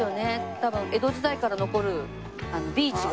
多分江戸時代から残るビーチが。